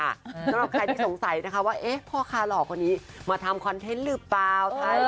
สำหรับใครที่สงสัยนะคะว่าพ่อคาหล่อคนนี้มาทำคอนเทนต์หรือเปล่า